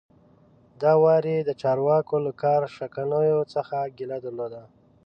دا وار یې د چارواکو له کار شکنیو څخه ګیله درلوده.